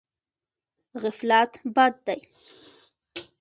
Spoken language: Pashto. غفلت بد دی.